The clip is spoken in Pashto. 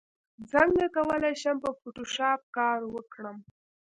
څنګه کولی شم په فوټوشاپ کار وکړم